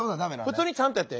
普通にちゃんとやって。